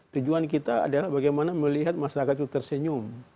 tujuan kita adalah bagaimana melihat masyarakat itu tersenyum